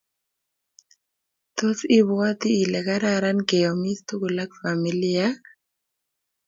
tos ibwoti ile kararan keomis tugul ak familia?